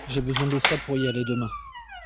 J'ai besoin de ça pour y aller demain.